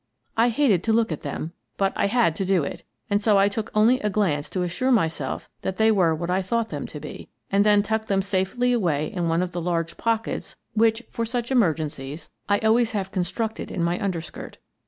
I hated to look at them, but I had to do it, and so I took only a glance to as sure myself that they were what I thought them to be, and then tucked them safely away in one of the large pockets which, for such emergencies, I always have constructed in my underskirt.